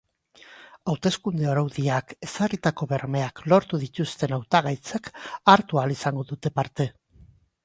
Hauteskunde araudiak ezarritako bermeak lortu dituzten hautagaitzek hartu ahal izango dute parte.